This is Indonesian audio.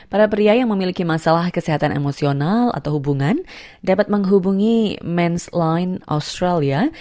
para pria yang memiliki masalah kesehatan emosional atau hubungan dapat menghubungi ⁇ mens ⁇ line australia